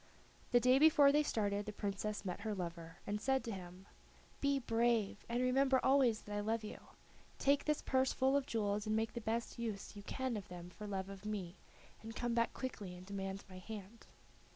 The day before they started the Princess met her lover and said to him: "Be brave, and remember always that I love you. Take this purse full of jewels and make the best use you can of them for love of me, and come back quickly and demand my hand."